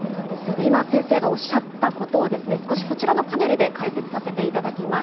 今、先生がおっしゃったことを、少しこちらのパネルで解説させていただきます。